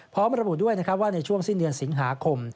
พร้อมระบุด้วยนะครับว่าในช่วงสิ้นเดือนสิงหาคม